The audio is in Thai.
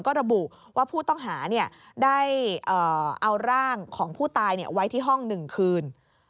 ก็ระบุว่าผู้ต้องหาได้เอาร่างของผู้ตายไว้ที่ห้อง๑คืน